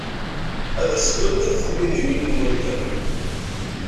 Ad asment tmidiwin-nwent.